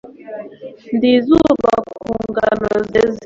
ndi izuba ku ngano zeze